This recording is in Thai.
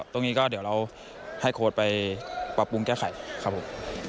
ตรงนี้ก็เดี๋ยวเราให้โค้ดไปปรับปรุงแก้ไขครับผม